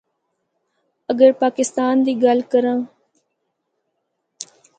اگر پاکستان دی گل کراں۔